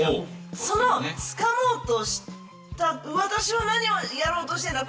そのつかもうとした私は、何をやろうとしてるんだ。